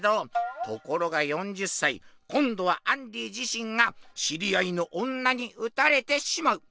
ところが４０歳こんどはアンディ自身が知り合いの女に撃たれてしまう。